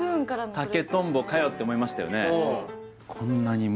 竹とんぼかよって思いましたよね